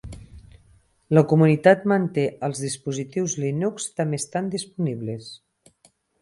La comunitat manté els dispositius Linux també estan disponibles.